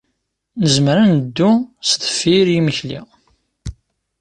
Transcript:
Nezmer ad neddu sdeffir yimekli.